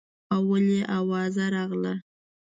اول یې اوازه راغله.